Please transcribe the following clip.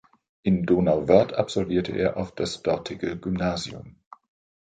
In Donauwörth absolvierte er auf das dortige Gymnasium.